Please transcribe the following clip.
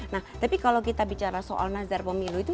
nah tapi kalau kita bicara soal nazar pemilu itu